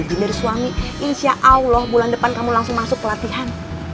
dan ijin dari suami insya allah bulan depan kamu langsung masuk pelatihan